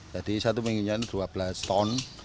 jadi satu minggu nya dua belas ton